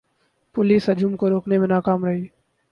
police ہجوم کو روکنے میں ناکام رہی